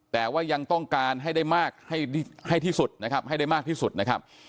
แต่ว่ายังต้องการให้ได้มากให้ที่สุดนะครับให้ได้มากที่สุดนะครับ